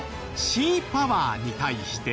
シーパワーに対して。